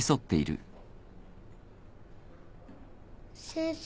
先生